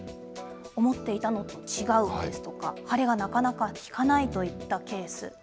思っていたのと違うですとか、腫れがなかなか引かないといったケース。